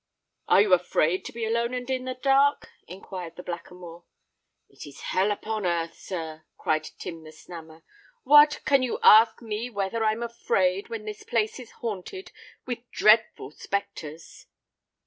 "Are you afraid to be alone and in the dark?" enquired the Blackamoor. "It is hell upon earth, sir!" cried Tim the Snammer. "What! can you ask me whether I'm afraid, when the place is haunted with dreadful spectres?"